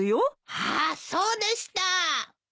あっそうでした。